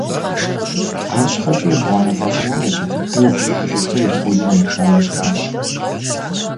Арщхьэкӏэ ебгъуанэ лӏэщӏыгъуэм япэ дыдэу абы и жылэхэр Японием яшауэ щытащ.